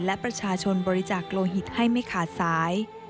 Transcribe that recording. และประชาชนบริจาคโลหิตให้ไม่ขาดสาย